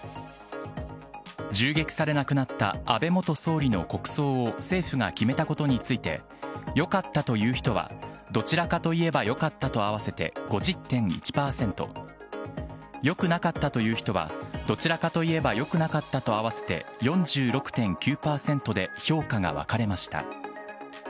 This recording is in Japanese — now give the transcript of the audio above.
銃撃され、亡くなった安倍元総理の国葬を政府が決めたことについて、よかったという人は、どちらかといえばよかったと合わせて５０．１％、よくなかったという人は、どちらかといえばよくなかったと合わせて４６．９％で評価が分かれました。